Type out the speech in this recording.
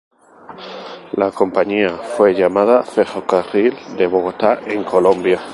La compañía fue llamada Ferrocarril de Bogotá en Colombia.